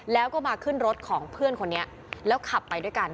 แล้วก็มาขึ้นรถของเพื่อนคนนี้แล้วขับไปด้วยกัน